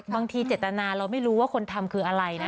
บางทีเจตนาเราไม่รู้ว่าคนทำคืออะไรนะ